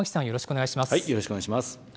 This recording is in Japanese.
よろしくお願いします。